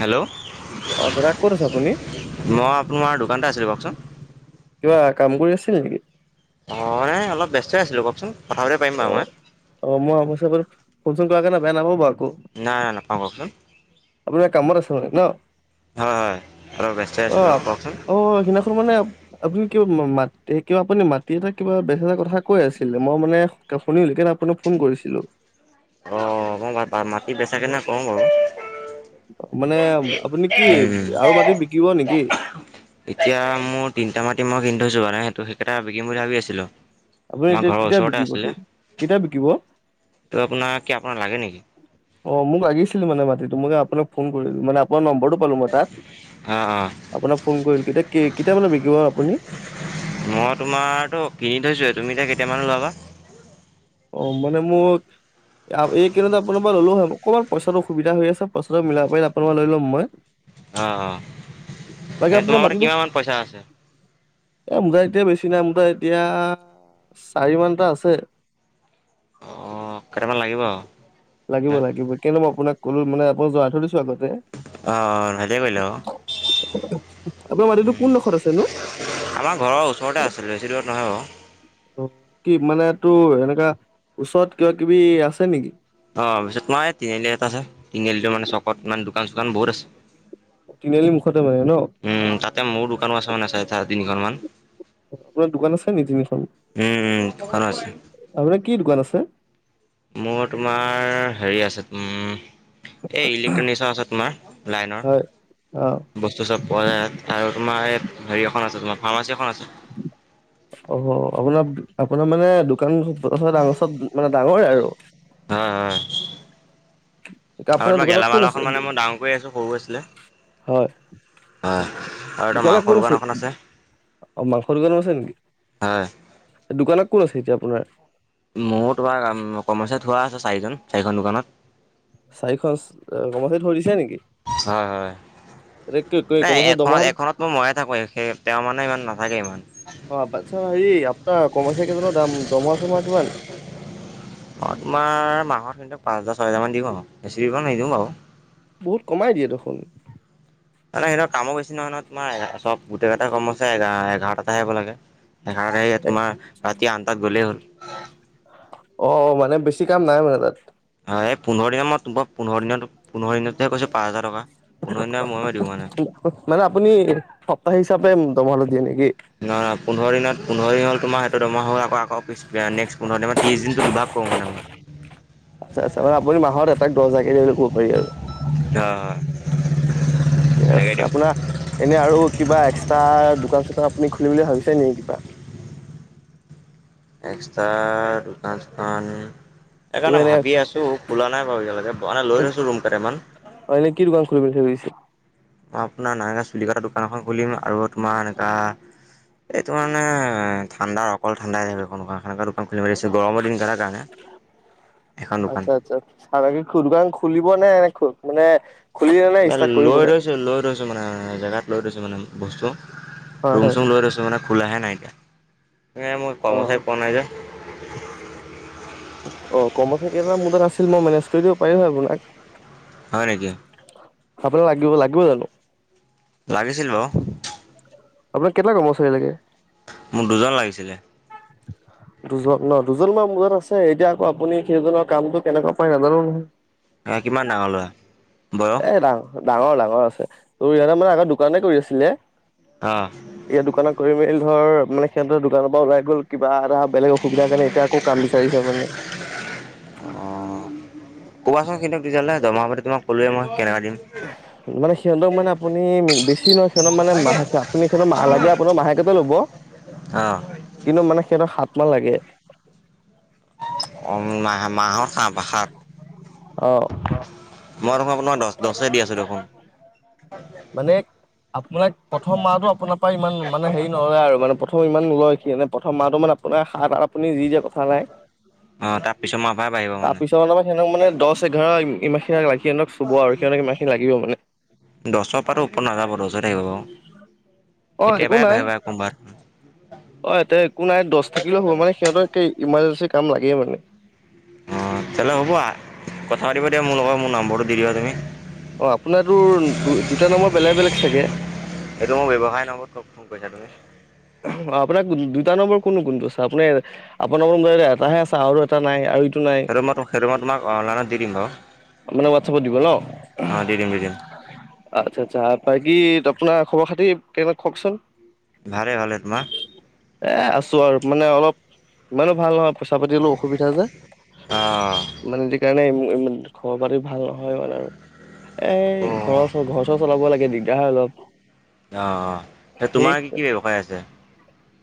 Hello, অ দাদা ক'ত আছে আপুনি মই আপোনাৰ, নতে আছিলোঁ কওকচোন! কিবা কাম কৰি আছিল নেকি? অ', নাই অলপ ব্যস্ত আছিলো কওকচোন, কথা পতে পাৰিম অ বাৰু মই। অ', মই অৱশ্যে ফোন চোন কৰ কাৰ নে বেয়া নাপাব বাৰু নাই, নাই নাপাওঁ কওকচোন। আপুনি এ কামত আছে মানে ন? হয় হয় অলপ ব্যস্তই আছিলোঁ অ', কওকচোন অ', সিদিনাখন মানে আপুনি কিবা ম কিবা আপুনি মাটি এটা কিবা বেছ এটা কথা কৈ আছিলে, মই মানে শুনিলো আপুনাক ফোন কৰিছিলো। অ', অ', বাৰ মাটি বেচাক কেনে কওঁ বাৰু। মানে আপুনি কি উম আৰু মাটি বিকিব নেকি? এতিয়া মোৰ তিনটা মাটি মই কিনি থৈছো, বাৰ সহটো সেইকেইটা বিকিম বুলি ভাবি আছিলো। আপুনি এতিয়া কেতিয়া বিকিব তোৰ কেতিয়া বিকিব? ত আপোনাৰ কি আপোনাক লাগে নিকি? অ মোক লাগিছিল মানে মাতিটো ম আপোনাক ফোন কৰিলো। মানে আপোনাৰ নম্ব ম্বটো পালো মই তাত অ অ আপোনাক ফোন কৰিলো এতিয়া কেতিয়া মানে বিকিব আপু মই তোমাৰতো কিনি থৈছোৱে তুমি এতিয়া কেতিয়ামানে লবা? অ মানে মোক এই কেইদিনতে আপোনাৰ পৰা ললো হয় মোক অকণমান পইচাটো অসুবিধা হৈ আছে পইচাটো মিলাই পাৰিলে আপোনাৰ লৈ লম' মই! অ, অ বাকী এ আপোনাৰ তোমাৰ পৰা মাটিটো কিমানান পইচা আছে এ মোৰ তাৰ এতিয়া বেছি নাই মোৰ তা এতিয়া চাৰি মানটা আছে। অ, কেইটামান লাগিব আৰু। লাগিব-লাগিব কেনে ন মই আপোনাক কলো মানে আপোন জনাই থৈ দিছো আগত আহ ভালে কৰিলা অওঁ আপোনাৰ মাটিটো উম কোনডোখৰত আছেনো আমাৰ ঘৰৰ ওচৰতে আছিল বেছি দূৰত নহয় বা ৱ অ', কি মানে তোৰ এনেকা ওচৰত কিবা কিবি আছে নেকি? অ পিছে তোমাৰ তিনিআলি এটা আছে, তিনিআলিটোৰ মানে চকত মানে দোকান-চোকান বহুত আছে। তিনিআলি মুখতে মানে ন উম তাতে মোৰ দোকানো আছে মানে চাই তা তিনিখন মান। আপোনাৰ দোকান আছে নি তিনিখন? উম, উম, দোকানো আছে। আপোনাৰ কি দোকান আছে? মোৰ তোমাৰ হেৰি আছে উম এ ইলেক্ট্ৰনিকচৰ আছে তোমাৰ লাইনৰ। হয় অ বস্তু চব পোৱা যায় আৰু তোমাৰ এই হেৰি এখন আছে তোমাৰ ফাৰ্মাচী এখন আছে। অ' আপোনাৰ-আপোনাৰ মানে দোকান [unintelligible] ডাঙৰ চব মানে ডাঙৰে আৰু। হয়, হয়, [inaudible] আৰু তোমাৰ দোকানত কোন গেলামালৰ আছে খন মানে মই ডাঙৰ কৰি আছো, সৰু আছিলে। হয়। হয় আৰু এটা দোকানত কোন মাংসৰ দোকান এখন আছে। অ' মাংস দোকানো আছে নেকি? হয়। ক'ত আছে এতিয়া আপোনাৰ? মোৰ তোমাৰ কমাৰ্চএ থোৱা আছে চাৰিজন, চাৰিখন দোকানত। চাৰিখন [unintelligible] থৈ দিছা নেকি? হয় হয়। এতিয়া নাই, কৰ্মচাৰী দৰমহা এখনত-এখনত ম-ময়ে থাকো সেই তেওঁ মানে ইমান নাথাকে ইমান। অ', আচ্ছা হেৰি, আপোনাৰ কৰ্মচাৰী কেইজনৰ দাম-দৰমহা-চৰমহা কিমান? অ' তোমাৰ মাহত সিহঁতক পাঁচ হাজাৰ-ছয় হাজাৰ মান দিওঁ আৰু বেছি দিব নিদিওঁ বাৰু। বহুত কমাই দিয়ে দেখোন। মানে সিঁহতৰ কামো বেছি নহয় নহয়, তোমাৰ চব গোটেই কেইটা কৰ্মচাৰী এ, এঘাৰটাত হে আহিব লাগে। এঘাৰত [unintelligible] তোমাৰ ৰাতি আঠটাত গলেই হ'ল। অ' অ', মানে বেছি কাম নাই মানে তাত। হয় এই পোন্ধৰ দিনৰ মূৰত, পোন্ধৰ দিনত পোন্ধৰ দিনত হে কৈছোঁ পাঁচ হাজাৰ টকা। পোন্ধৰ দিন মূৰে- মূৰে দিওঁ মানে। মানে আপুনি সপ্তাহ হিচাপে দমহাটো দিয়ে নেকি? নহ-নহ, পোন্ধৰ দিনত পোন্ধৰ দিন হ'ল তোমাৰ হেইটো দৰমহা হোৱা আকৌ-আকৌ নেক্সট্ পোন্ধৰ দিনৰ মূঅত ত্ৰিছ দিনটো দুভাগ [unintelligible] আচ্ছা আচ্ছা মানে আপুনি মাহত এটাক দহ হাজাৰকে দিয়ে বুলি ক'ব পাৰি আৰু। হয় হয় ঠিকে সেনেকৈ আছে, দিওঁ আপোনাৰ এনে আৰু কিবা এক্সট্ৰা দোকান চোকান আপুনি খুলিম বুলি ভাবিছে নেকি কিবা? এক্সট্ৰা দোকান খন কিবা সেইকাৰণে এনে ভাবি আছো, খোলা নাই বাৰু এতিয়ালৈকে, মানে লৈ থৈছো ৰুম কেইটামান। হয়নে কি দোকান খুলিম বুলি ভাবি আছে? আপোনাৰ নাইৰা চুলি কাটা দোকান এখন খুলিম আৰু তোমাৰ এনেকা এইটো মানে ঠাণ্ডা অকল ঠাণ্ডা [unintelligible] এখন দোকান আচ্ছা আচ্ছা [unintelligible] খুলি, মানে এনেকুৱা মানে খুলিলে নে ইয়াত ষ্টাৰ্ট লৈ কৰিবহে? থৈছো লৈ থৈছো মানে জেগাত লৈ লৈছো মানে বস্তু। হয় হয়। ৰুম-চুম লৈ থৈছো মানে খোলাহে নাই এতিয়া। এ মই কমচাৰি অ', পোৱা নাই যে। একেইজন মোৰ তাত আছিল মই মেনেজ কৰি দিব পাৰিম হয় আপোনাক। হয় নেকি? আপোনাক লাগিব, লাগিব জানো? লাগিছিল বাৰু। আপোনাক কেইটা কৰ্মচাৰী লাগে? মোক দুজন লাগিছিলে। [inaudible] দুজন ন? দুজন বাৰু মোৰ তাত আছে। এতিয়া আকৌ আপুনি সেইজনৰ কামটো কেনেকুৱা পাই নাজানো নহয়। আ কিমান ডাঙৰ ল'ৰা? এ বয়স? ডাঙ ডাঙৰ, ডাঙৰ আছে। ও ইহঁতে মানে আগত দোকানতে কৰি আছিলে। ইয়াত দোকানত কৰি মেলি ধৰ মানে সিহঁতে দোকানৰ পৰা ওলাই গ'ল, কিবা এটা বেলেগ অসুবিধাৰ কাৰণে এতিয়া আকৌ কাম বিচাৰিছে মানে। ক'বাচোন কিন্তু তেতিয়াহ'লে জমা হলে তোমাক কলোৱে মই। [inaudible] মানে সিহঁতক মানে আপুনি বেছি নহয় সিহঁতক -মাহ -আপুনি- সিহঁত- মাহ লাগে আপোনাৰ মাহেকটেই ল'ব। অ', কিন্তু মানে সিহঁতক সাত মান লাগে। অ মাহ-মাহৰ অ' সাহ-সত মই। ন দচ দচেই দি আছোঁ দেখোন। মানে আপোনাক প্ৰথম মাহটো আপোনাৰ পৰা ইমান মানে হেৰি নলয় আৰু মানে প্ৰথম ইমান নলয়। [unintelligible] প্ৰথম মাহটো মানে আপোনাৰ সাত আঠ। আপুনি যি যে কথা অ', তাৰ [unintelligible] পিছত মাহৰ পৰাই বাঢ়িব মানে তাৰপিছত আমাৰ সিহতক মানে দহ এঘাৰ। ইমানাখিনি লাগি সিহঁতক চুব আৰু সিহঁতক ইমানখিনি লাগিব মানে। তাতো ওপৰত নাযাব লজ থাকিব বাৰু অ' একো নাই কেতিয়াবাই। [unintelligible] অ এতিয়া একো নাই দহ থাকিলেও হ'ব মানে সিহঁতৰ ইমাৰ্জেঞ্চি কাম লাগেই মানে। অ তেলে হ'ব কথা পাতিব দিয়া মোৰ লগত মোৰ নম্বৰটো। দি দিবা তুমি অ আপোনাৰটো তোৰ দু- দুটা নম্বৰ বেলেগ বেলেগ চাগে। এইটো মোৰ ব্যৱসায় নম্বৰত ফোন কৰিছা তুমি। অ আপোনাৰ দুইটা নম্বৰ কোনটো কোনটো আছে আপুনি আপোনাৰ এটাহে আছে আৰু এটা নাই আৰু এই। সেইটো মই ত সেইটো মই তোমাক অনলাইনত দি দিম বাৰু। মানে হোৱাটচআপট দিব নহ। অ', দি দিম দি দিম আচ্ছা আচ্ছা বাকী আপোনাৰ খবৰ খাতি কেনেকুৱা কওঁকচোন। ভালেই ভালেই তোমাৰ এ আছোঁ আৰু মানে অলপ ইমানো ভাল নহয়। পইচা পাতি অলপ অসুবিধা যে অ', [unintelligible] কাৰণে। ঘৰ পাতি ভাল নহয় মানে আৰু এ অ', ঘৰৰ -চ -ঘৰ চৰ চলাব লাগে দিগ। [unintelligible] অ অ এ তোমাৰ কি কি ব্যৱসায় আছে।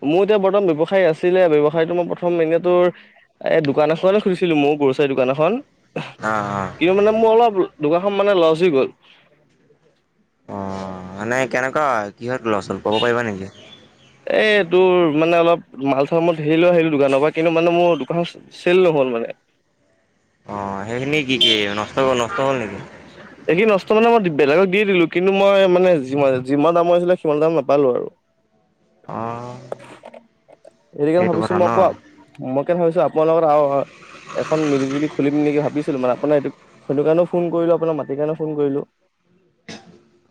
মোৰ এতিয়া বৰ্তমান ব্যৱসায়ী আছিলে ব্যৱসায়ীটো মই প্ৰথম এনেই তোৰ এ দোকান এখনে খুলিছিলো মই। গ্ৰচাৰী দোকান এখন। অ', অ', কিন্তু মানে মোৰ অলপ দোকানখন মানে লচ হৈ গ'ল। অ মানে কেনেকুৱা কিহত লছ হ'ল কব পাৰিবা নেকি। এই তোৰ মানে অলপ মাল চামত হেৰি লৈ আহিলো দোকানৰ পৰা কিন্তু মানে মোৰ দোকানখন চেল নহ'ল মানে। [inaudible] অ সেইখিনি কি কি নষ্ট-নষ্ট হ'ল নেকি। এইখিনি নষ্ট মানে মই বেলেগক দি দিলো কিন্তু মই মানে যিমান-যিমান দামৰ আছিলে সিমান দাম নাপালো আৰু। অঁ এইটো কাৰণে সেইটো ভাবিছো কথা মই ন। কোৱা মই। ভাবিছো আপোনাৰ লগৰ আৰু এখন মিলিজুলি খুলিম নেকি ভাবি। ভাবিছিলো মানে আপোনাৰ এইটো সেইটো কাৰণেও ফোন কৰিলো আপোনাৰ মাটিৰ কাৰণে ফোন কৰিলো।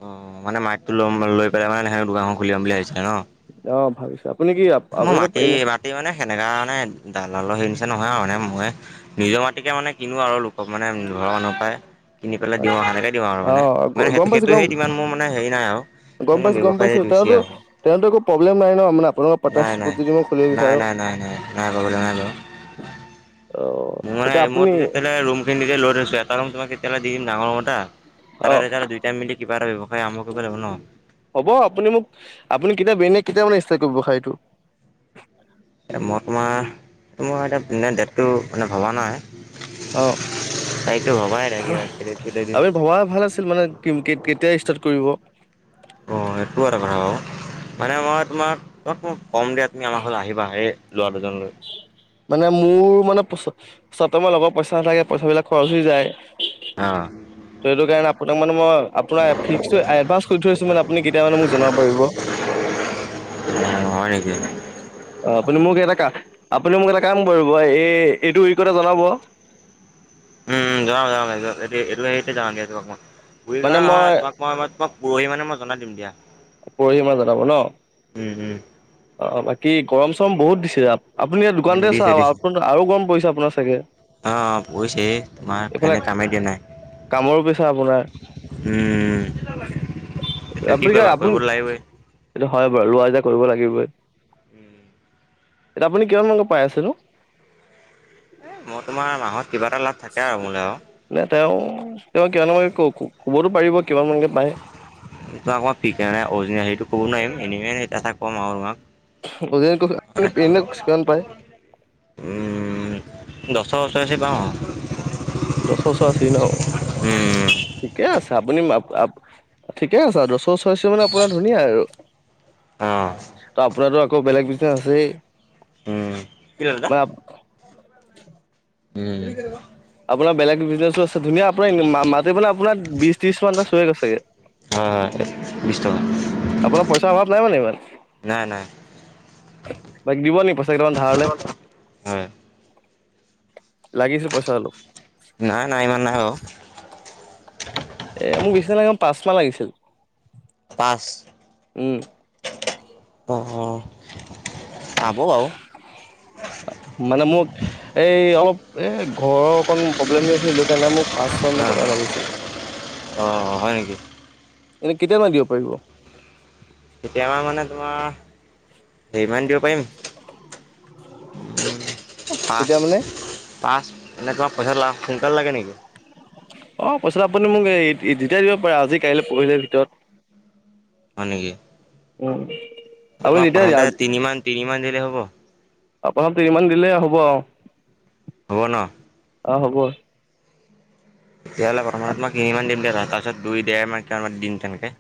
অ মানে মাইকটো লম লৈ পেলাই মানে সে দোকানখন খুলি যাম বুলি ভাবিছিলে নহ। অ ভাবিছো আপুনি কি মোৰ আপুনিতো মাটি এনে -মাটি মানে সেনেকা মানে দান। হৈছে নহয় মানে মই নিজৰ মাটিকে মানে কিনো আৰু লোকক মানে ঘৰৰ অনুসাৰে কিনি পেলাই দিওঁ আচ্ছা সেনেকে দিওঁ আৰু মানে ইমান অ গম পাইছো গম সেইটো-সেইটো-সেই ইমান মোৰ মানে হেৰি নাই আৰ গম পাইছো গম পাইছো তেন্তু-তহতৰ একো প্ৰব্লেম নাই ন মানে আপোনোক নাই নাই নাই নাই নাই নাই নাই প্ৰব্লেম নাই ব অ ম মানে তেতিয়া আপুনি মইো যে তেলে ৰুম খিনি লৈ থৈছো এটা ৰুম তোমাক কেতিয়ালে দি দিম ডাঙৰ ৰুম এটা [unintelligible] অ তাৰে তেতি দুইটাই মিলি কিবা এটা ব্যৱসায় আৰম্ভ কৰিব লাগিব ন। হ'ব আপুনি মোক আপুনি কেতিয়া বিৰিয়ানিয় কেতিয়া মানে ষ্টাৰ্ট কৰিব খাই এইটো [unintelligible] মই তোমাৰ এতিয়া ডেটটো মানে ভবা নাই। অঁ। তাৰিখটো ভবাই নাই কেতিয়া দিম আমি ভবা ভাল আছিল মানে কি কে-কেতিয়া ষ্টাৰ্ট কৰিব। অ এইটো এটা কথা কওঁ মানে মই তোমাক। কম দিয়া তুমি আমাৰ ঘৰলে আহিবা হে ল'ৰা দুজনলৈ। চব সময়ত লগত পইচা নাথাকে পইচা বিলাক খৰচ হৈ যায় সেইটো কাৰণে কোনে মানে মই আপোনাৰ ফিক্স টো এডভান্স কৰি থৈছো মানে আপুনি কেতিয়া মানে মোক জনাব পাৰিব অঁ হয় নেকি অ, আপুনি মোক এটা কাম আপুনি মোক এটা কাম কৰিব এই এইটো উইকতে জনাব। [unintelligible] উম, যাও-যাও এইটো হেৰিতে যাও দিয়া তোমাৰ বুৰি মানে কৰা মই নহয় তোমাক মই মই তোমাক পৰহি মানে মই জনাই দিম দিয়া পৰহি মানে জনাব ন উম উম অ, বাকী গৰম চৰম বহুত দিছে তাত। আপুনি ইয়াত উম দোকানতে দিছে দিছে চাওক আৰু গৰম পৰিছে আপোনাৰ চাগে। অ পৰিছেই তোমাৰ এইফালে ফেনে কামেই দিয়া নাই কামৰো পিছে আপোনাৰ উম সেইটো কি আপুনি কৰিবা আপুনি কৰিবতো লাগিবই। এইটো হয় বাৰু লোৱা যে কৰিব লাগিবই এতিয়া আপুনি কিমান মানকে পাই আছে নো। মই তোমাৰ মাহত কিবা এটা লাভ থাকে আৰু মোলৈ আৰু নে তেওঁ তেওঁ কিমান মানকে ক কবতো পাৰিবই তই আকাৰ পিক নাই অৰিজিন সেইটো ক'ব নোৱাৰিম এনে কথা ক'ম আৰু তোমাক আপনি এনে পেমে কিমান পায় দশৰ ওচৰা ওচৰি পাওঁ আৰু দশৰ ওচৰাওচৰি ন উম, ঠিকে আছে আপুনি আপ ঠিকে আছে দশৰ ওচৰা ওচৰি মানে আপোনাৰ ধুনীয়া আৰু অ', তাপ, তাতে আকৌ বেলেগ বিজনেচ আছেই উম, কি হ'ল দাদা? নাপ উম আপোনাৰ বেলেগ বিজনেছো আছে ধুনীয়া আপোনাৰ মা মান্হলি মানে আপোনাৰ বিশ ত্ৰিশ মান চুৱেগে ছাগে হয়-হয় বিছ টকা। আপোনাৰ পইচাৰ অভাৱ নাই মানে ইমান নাই নাই বাকী দিব নি কেইটামান ভিতৰত হয়। লাগিছে পইচা অলপ। নাই-নাই ইমান নাই অ', এ মোক বেছি নালাগে পাঁচ মান লাগিছিল পাঁচ উম অ-অ, মানে মোক এই অলপ এ ঘৰৰ অকন প্ৰব্লেম হৈ আছিল এইকাৰণে মোক পাঁচ ছয় মান অ', টকা লাগিছিল অ', হয় নেকি? এনে কেতিয়া মানে দিব পাৰিব। কেতিয়া মানে তোমাৰ হেৰিমান দিব পাৰিম উম, কেতিয়া পাঁচ মানে পাঁচ এনেকুৱা পইচা লা সোনকালে লাগে নেকি অ পইচাটো আপুনি মোক এতিয়াই দিব পাৰে আজি কাইলৈ পৰহিলে ভিতৰত হয় নেকি অ আপোনাক প্ৰথমতে তিনি মান তিনি মান দিলে হ'ব আপোনাকটো ইমান দিলে হ'ব আৰু হ'ব ন। অ, হবো। তেতিয়াহ'লে প্ৰথম তোমাক নিনিমান দিম দে কেলা তাৰপিছত দুই ডেৰ মান দিম তেনেকে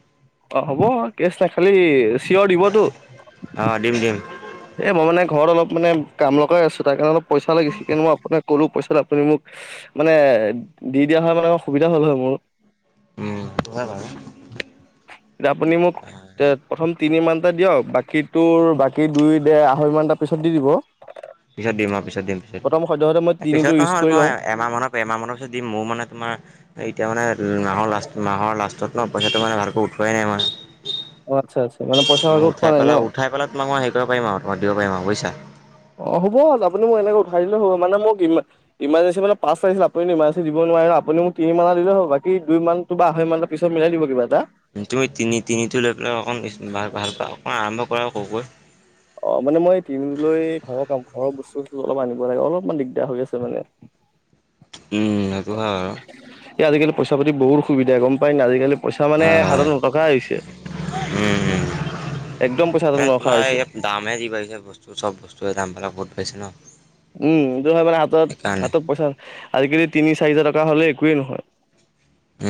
অ হ'ব কেছ নাই খালি চিয়ৰ দিবতো অ দিম দিম এ মই মানে ঘৰত অলপ মানে কাম লগাই আছো তাৰ কাৰনে অলপ পইচা লাগিছিল তাকে মই আপোনাক ক'লো পইচাত আপুনি মোক মানে দি দিয়া হয় মানে সুবিধা হল হয় মোৰ উম, এতিয়া আপুনি মোক এ প্ৰথম তিনি মানটা দিয়ক বাকী তোৰ বাকী দুই দু ই মানটা পিছত দি দিব পিছত দিম আৰু পিছত দিম পিছত প্ৰথম সদ্যহতে মই দিম। পিছত তিনিটো ইউজ নহয় ম কৰি লওঁ। তোমাৰ এমাহ মানৰ এমাহ মানৰ পিছত দিম মোৰ মানে তোমাৰ এতিয়া মানে মাহৰ লাষ্টত মাহৰ আচ্ছা আচ্ছা মানে পইচা মই ভালকে উঠোৱা উঠাই নাই ন? পেলাই উঠাই পেলাই তোমাক মই হেৰি কৰিব পাৰিম আৰু দিব‌ পাৰিম আৰু বুজছা অ' হ'ব আপুনি মোক এনেকে উঠাই দিলে হব মানে মোক ইমাজেঞ্চী মানে পাছ লাগিছিল আপুনো ইমাজেঞ্চি দিব। নোৱাৰ আপুনি মোক তিনি মান এটা দিলে হব বাকী দুই মানটো বা আহৈ মান পিছত মিলাই দিবা কিবা এটা তুমি তিনি তিনিটো লৈ পেলাই অকণ ভাল পা অক অ' মানে মই তিনিটোলৈ ঘৰৰ কাম ঘৰৰ বস্তু বস্তু অলপ আনিব লাগে অলপমান দিগদাৰ হৈ আছে মানে সেইটো হয় আৰু এতিয়া আজিকালি পইচা পাতি বহুত অসুবিধাই গম পায় নাই আজিকালি পইচা মানে হয় হাতট নথকা হৈছে। উ একদম পইচা হাতত তাত নৰখা হৈছে। তোমাৰ দামেহে যি বাহিছে বস্তু চব বস্তু সেই ফবা ঙ্কযদাম পেলাক বোত পাইছে ন উম এইটো হয় মানে হাতত সেইকাৰণে। হাতত পইচা আজিকালি তিনি চাৰি হাজাৰ টকা একোৱেই নহয় হ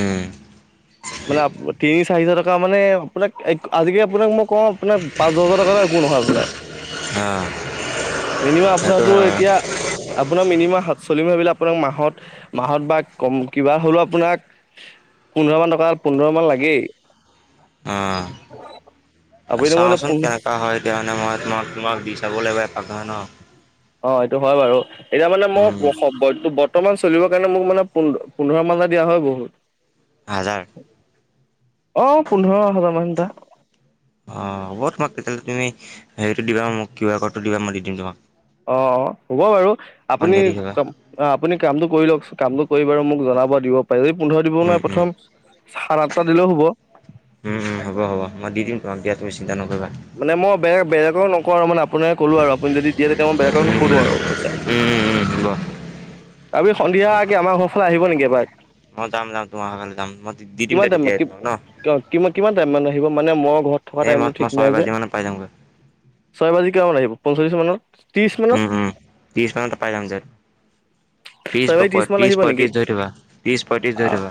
মানে তিনি চাৰিশ টকা মানে আপোনাক আজিকাল আপোনাক মই কওঁ আপোনাক পাঁচ হাজাৰ টকাৰ একো নহয় আপোনাৰ অ' মিনিমাম সেইটো আপোনাৰো হয় এতিয়া আপোনাৰ মিনিমাম চলিম ভাবিলে আপোনাক মাহত মাহত বা কম কিবা হ'লেও আপোনাক পোন্ধৰ মান টকা পোন্ধৰ মান লাগেই আপুনিতো মোৰ চাওচোন কেনেকা হয় মই তোমাক তোমাক দি চাব লিবাক ন ন অ' এইটো হয় বাৰু এতিয়া মানে মই উম বৰ্তমান চলিবৰ কাৰণে মোক মানে পোন্ধৰ মানটা দিয়া হয় বহুত হাজাৰ আহ পোন্ধৰ হাজাৰ মানটা অ হ'ব তোমাক তেতিয়াহ'লে তুমি হেৰিটো দিবা মোক কিউ আৰ ক'ডটো দিবা মই দি দিম তোমাক অ' অ' হ'ব বাৰু আপুনি সন্ধিয়া দি থবা ক অ' আপুনি কামটো কৰি লওকচোন কামটো বাৰু মোক জনাব দিব পাৰি এই পোন্ধৰ দিব উম নোৱাৰে উম। প্ৰথম চাত আঠটা দিলেও হ'বক উম উম হ'ব হ'ব মই দি দম মানে মই বেলেগ বেলেগক নকৰো মানে, আপোনাই ক'লো আৰু আপুনি যদি দিয়ে তেতিয়া মই বেয়া কাৰে উম নকৰো আৰু পইচা উম উম উম হ'ব। আমি সন্ধিয়া পৃথৰ ঘৰালে আহিব নেকি এবাৰ মই যাম যাম তোমাৰ ঘৰলে যাম মই দি দিম কিমান দে তাইম‌ তেতিয়াই কি তোমাক ন। কিমান কিমান থাইম মানে, আহিব মানে মই ঘৰত থকা এই টাইমত মই ছয় বাজি মানত পাই যামগৈ আজি কিমান ফ মঈমান আহিব পঞ্চল্লিছ মত উম হম ত্ৰিছ মতে পাই যাম যে, ত্ৰিশ ছয় প বাজি মানত য়ত্ৰশ আহিব নেকি পঁয়ত্ৰিশ ধৰিব ত্ৰিশ পঁয়ত্ৰশ ধৰিব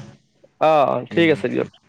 অ অ ঠিক আছে দিয়ক